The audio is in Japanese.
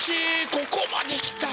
ここまできたら。